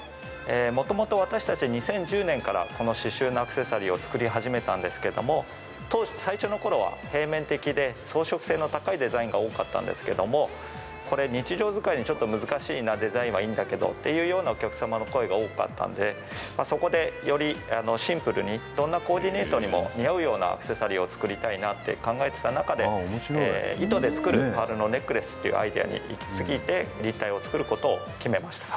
もともと私たちは２０１０年からこの刺しゅうのアクセサリーを作り始めたんですけども当時、最初のころは平面的で装飾性の高いデザインが多かったんですけどもこれ日常使いにちょっと難しいなデザインはいいんだけどっていうようなお客様の声が多かったのでそこで、よりシンプルにどんなコーディネートにも似合うようなアクセサリーを作りたいなって考えてた中で糸で作るパールのネックレスっていうアイデアにいきついて立体を作ることを決めました。